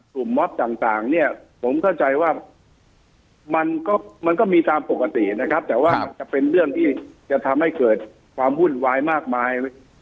มอบต่างเนี่ยผมเข้าใจว่ามันก็มันก็มีตามปกตินะครับแต่ว่ามันจะเป็นเรื่องที่จะทำให้เกิดความวุ่นวายมากมาย